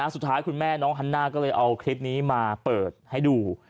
คุณแม่น้องฮันน่าก็เลยเอาคลิปนี้มาเปิดให้ดู